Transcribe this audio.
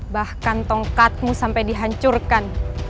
bahkan tongkatmu sampai dihancurkan